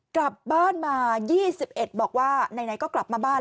กลับบ้านมา๒๑บอกว่าไหนก็กลับมาบ้าน